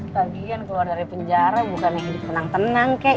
lagian keluar dari penjara bukan lagi dipenang penang kek